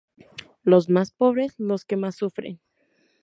Los más pobres, los que más sufren.